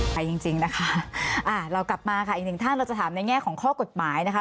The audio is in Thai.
ไปจริงจริงนะคะอ่าเรากลับมาค่ะอีกหนึ่งท่านเราจะถามในแง่ของข้อกฎหมายนะคะ